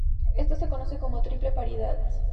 Esto se conoce como "triple paridad".